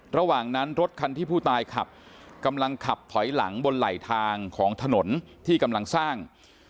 ระหว่างนั้นรถคันที่ผู้ตายขับกำลังขับถอยหลังบนไหลทางของถนนที่กำลังสร้าง